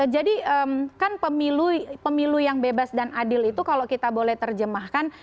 jadi kan pemilu yang bebas dan adil itu kalau kita boleh terjemahkan